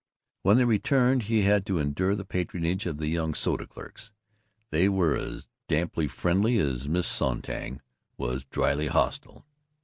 When they returned he had to endure the patronage of the young soda clerks. They were as damply friendly as Miss Sonntag was dryly hostile.